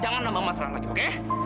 jangan nambang masalah lagi oke